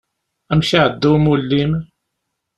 Amek iεedda umulli-m?